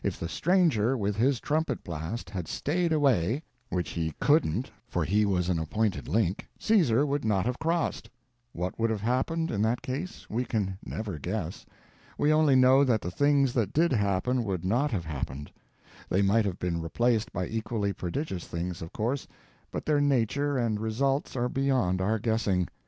If the stranger, with his trumpet blast, had stayed away (which he couldn't, for he was an appointed link) Caesar would not have crossed. What would have happened, in that case, we can never guess. We only know that the things that did happen would not have happened. They might have been replaced by equally prodigious things, of course, but their nature and results are beyond our guessing.